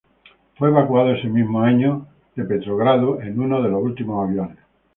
Fue evacuado ese mismo año de Stalingrado en uno de los últimos aviones.